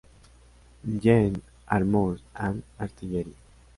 Jane's Armour and Artillery